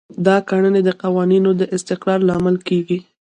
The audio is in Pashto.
دا کړنې د قوانینو د استقرار لامل کیږي.